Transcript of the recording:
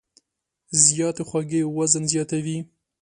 زیاتې خوږې وزن زیاتوي.